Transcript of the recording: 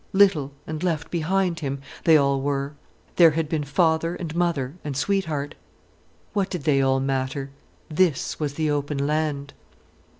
Little, and left behind him, they all were. There had been father and mother and sweetheart. What did they all matter? This was the open land.